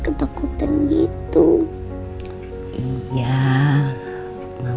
sentes taat juga dibawa